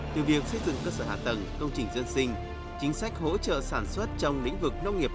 từ việc xây dựng cơ sở hạ tầng công trình dân sinh chính sách hỗ trợ sản xuất trong lĩnh vực nông nghiệp